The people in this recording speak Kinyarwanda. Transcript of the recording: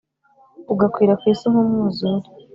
ugakwira ku isi nk’umwuzure,